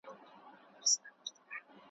غلامان دي خپل بادار ته ډېروه یې `